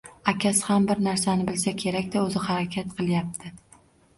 Akasi ham bir narsani bilsa kerak-da, o‘zi harakat qilyapti